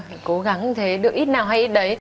phải cố gắng thế được ít nào hay ít đấy